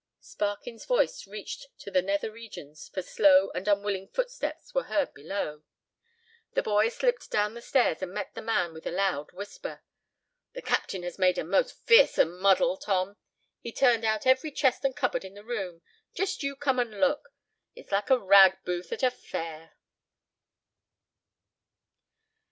Sparkin's voice reached to the nether regions, for slow and unwilling footsteps were heard below. The boy slipped down the stairs and met the man with a loud whisper. "The captain has made a most fearsome muddle, Tom. He's turned out every chest and cupboard in the room. Just you come and look. It's like a rag booth at a fair."